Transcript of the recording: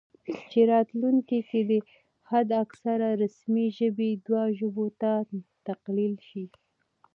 چې راتلونکي کې دې حد اکثر رسمي ژبې دوه ژبو ته تقلیل شي